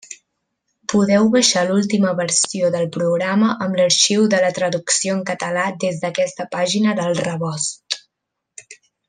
Podeu baixar l'última versió del programa amb l'arxiu de la traducció en català des d'aquesta pàgina del Rebost.